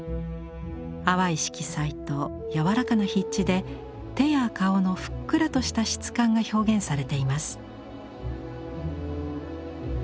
淡い色彩と柔らかな筆致で手や顔のふっくらとした質感が表現されています。